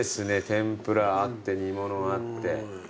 天ぷらあって煮物あって。